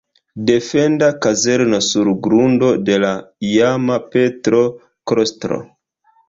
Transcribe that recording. Defenda kazerno sur grundo de la iama Petro-klostro.